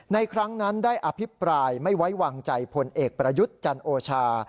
ครั้งนั้นได้อภิปรายไม่ไว้วางใจพลเอกประยุทธ์จันโอชา